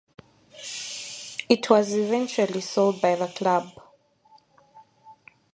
It was eventually sold by the club.